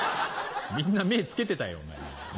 みんな目付けてたよ。